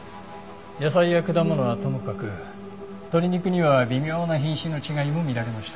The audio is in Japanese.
野菜や果物はともかく鶏肉には微妙な品種の違いも見られました。